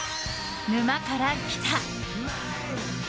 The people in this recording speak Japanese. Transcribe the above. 「沼から来た。」。